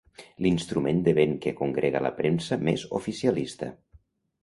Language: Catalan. L'instrument de vent que congrega la premsa més oficialista.